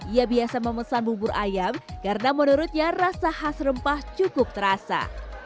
ia biasa memesan bubur ayam karena menurutnya rasa khas rempah cukup terasa